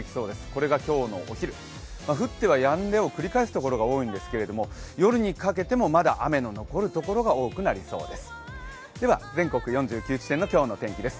これが今日のお昼、降ってはやんでを繰り返すところが多いんですけど、夜にかけてもまだ雨の残るところが多そうです